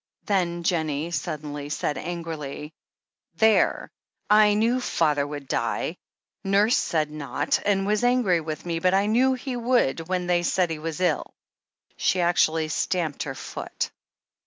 Then Jennie suddenly said angrily: "There I I knew father would die ! Nurse said not, and was angry with me, but I knew he would, when they said he was ill." She actually stamped her foot.